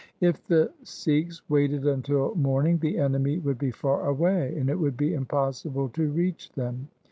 If the Sikhs waited until morning, the enemy would be far away, and it would be impossible to reach them.